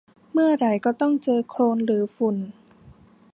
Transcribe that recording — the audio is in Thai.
เมื่อไหร่ก็ต้องเจอโคลนหรือฝุ่น